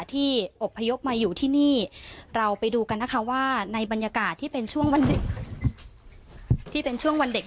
ที่อบพยพมาอยู่ที่นี่เราไปดูกันนะคะว่าในบรรยากาศที่เป็นช่วงวันเด็ก